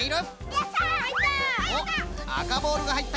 やった！